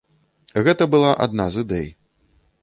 Гэта была адна з ідэй.